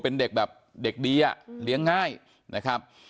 เป็นเด็กแบบเด็กดีอ่ะเลี้ยงง่ายนะครับ